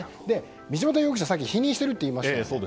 道端容疑者さっき否認していると言いましたよね。